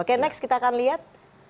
oke next kita akan lihat